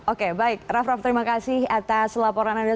oke baik raff raff terima kasih atas laporan anda